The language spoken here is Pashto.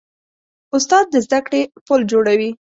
استاد د زدهکړې پل جوړوي.